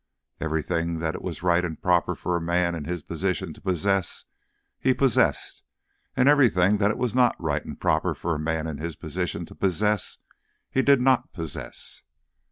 Everything that it was right and proper for a man in his position to possess, he possessed; and everything that it was not right and proper for a man in his position to possess, he did not possess.